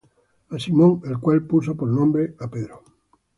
A Simón, al cual puso por nombre Pedro;